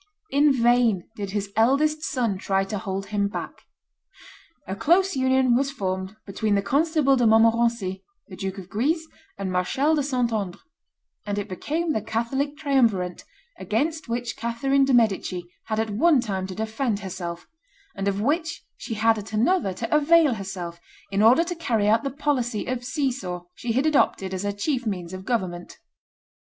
In vain did his eldest son try to hold him back; a close union was formed between the Constable de Montmorency, the Duke of Guise, and Marshal de Saint Andre, and it became the Catholic triumvirate against which Catherine de' Medici had at one time to defend herself, and of which she had at another to avail herself in order to carry out the policy of see saw she had adopted as her chief means of government.